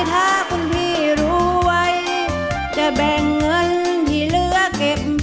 ถ้าคุณพี่รู้ไว้จะแบ่งเงินที่เหลือเก็บ